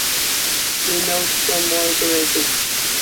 See notes form more information.